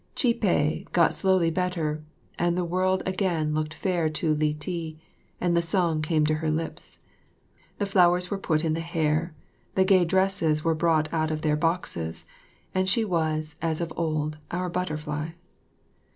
Chih peh got slowly better, and the world again looked fair to Li ti, and the song came to her lips. The flowers were put in the hair, the gay dresses were brought out of their boxes, and she was, as of old, our butterfly.